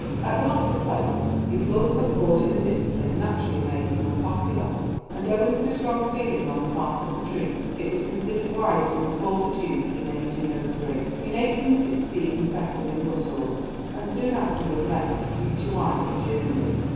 At the latter place his love of order and discipline naturally made him unpopular, and, owing to strong feeling on the part of the troops, it was considered wise to recall the Duke in 1803. In 1816 he settled in Brussels, and soon afterward met his future wife in Germany.